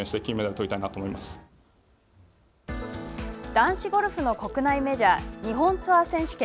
男子ゴルフの国内メジャー日本ツアー選手権。